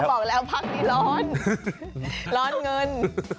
บอกแล้วพักนี้ร้อนร้อนเงิน